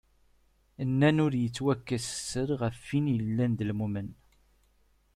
Nnan ur yettwakkes sser, ɣef win yellan d lmumen.